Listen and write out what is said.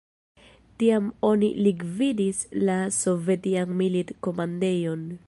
Tiam oni likvidis la sovetian milit-komandejon.